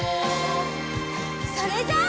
それじゃあ。